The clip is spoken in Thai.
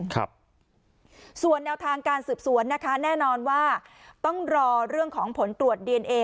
ครับส่วนแนวทางการสืบสวนนะคะแน่นอนว่าต้องรอเรื่องของผลตรวจดีเอนเอ